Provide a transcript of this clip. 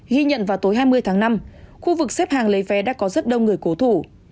ghi nhận vào tối hai mươi tháng năm khu vực xếp hàng lấy vé đã có rất đông người cố thủ